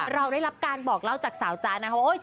เราได้รับการบอกเล่าจากสาวจ๊ะนะคะว่า